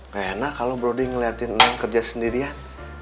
gak enak kalau broding ngeliatin nang kerja sendirian